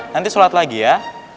nanti sholat lagi ya